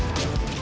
pengen terra buli